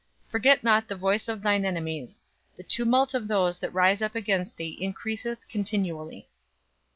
Forget not the voice of thine enemies; the tumult of those that rise up against thee increaseth continually."